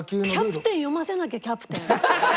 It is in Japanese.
『キャプテン』読ませなきゃ『キャプテン』。